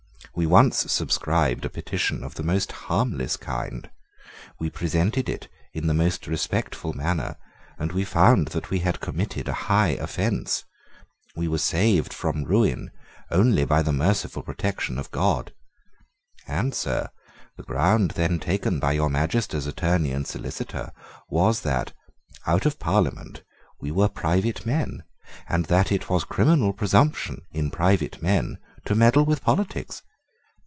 We once subscribed a petition of the most harmless kind: we presented it in the most respectful manner; and we found that we had committed a high offence. We were saved from ruin only by the merciful protection of God. And, sir, the ground then taken by your Majesty's Attorney and Solicitor was that, out of Parliament, we were private men, and that it was criminal presumption in private men to meddle with politics.